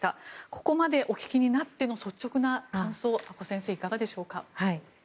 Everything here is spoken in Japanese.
ここまでお聞きになっての率直な感想阿古先生いかがでしょうか。